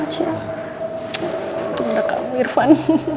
untuk mereka irvan